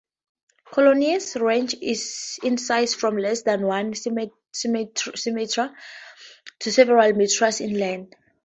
Colonies range in size from less than one centimeter to several metres in length.